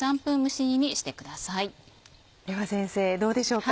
では先生どうでしょうか。